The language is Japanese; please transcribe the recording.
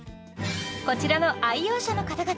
こちらの愛用者の方々